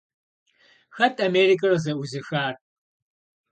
Хэт Америкэр къызэӀузыхар?